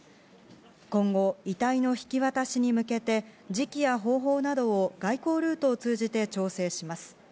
今後、遺体の引き渡しに向けて時期や方法などを外交ルートを通じて調整します。